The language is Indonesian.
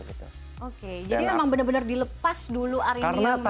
jadi memang benar benar dilepas dulu arini yang dulu ya